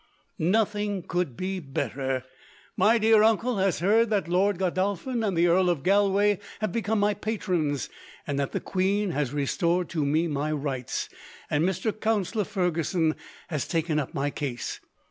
"Nothing could be better. My dear uncle has heard that Lord Godolphin and the Earl of Galway have become my patrons, that the queen has restored to me my rights, and Mr. Counsellor Fergusson has taken up my case.